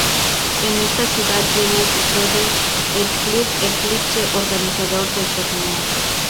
En esta ciudad tiene su sede el Club Eclipse, organizador del torneo.